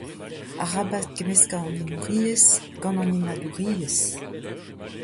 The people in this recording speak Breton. Arabat kemmeskañ an hinouriezh gant an hinadouriezh.